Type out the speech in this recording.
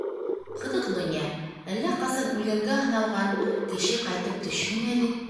Ҡыҙыҡ донъя: әллә ҡасан үлгәнгә һаналған, кеше ҡайтып төшһөн әле!